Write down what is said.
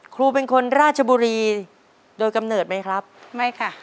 ครูเป็นคนราชบุรีโดยกำเนิดไหมครับไม่ค่ะ